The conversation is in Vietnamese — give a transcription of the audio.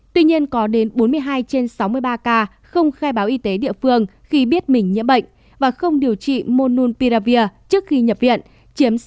tuy nhiên có đến bốn mươi hai trên sáu mươi ba ca không khai báo y tế địa phương khi biết mình nhiễm bệnh và không điều trị monopiravir trước khi nhập viện chiếm sáu mươi sáu sáu